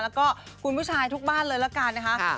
แล้วก็คุณผู้ชายทุกบ้านเลยละกันนะคะ